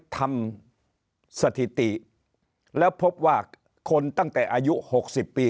ทำสถิติแล้วพบว่าคนตั้งแต่อายุ๖๐ปี